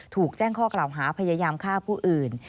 ถูกแจ้งข้อกล่าวหาพยายามฆ่าผู้อื่น